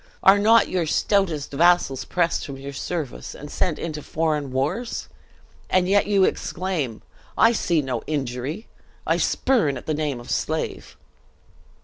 Are not your stoutest vassals pressed from your service, and sent into foreign wars? And yet you exclaim, 'I see no injury I spurn at the name of slave!'"